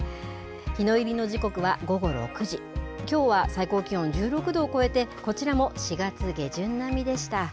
日の入りの時刻は午後６時きょうは最高気温１６度を超えてこちらも４月下旬並みでした。